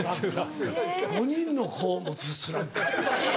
５人の子を持つスラッガー。